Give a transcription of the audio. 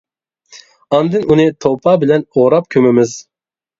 ئاندىن ئۇنى توپا بىلەن ئوراپ كۆمىمىز.